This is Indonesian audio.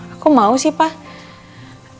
aku mau sih pak